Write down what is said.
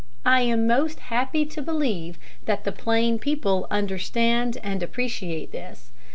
I am most happy to believe that the plain people understand and appreciate this.